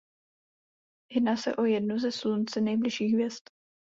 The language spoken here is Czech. Jedná se o jednu ze Slunci nejbližších hvězd.